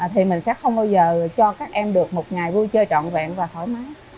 thì mình sẽ không bao giờ cho các em được một ngày vui chơi trọn vẹn và thoải mái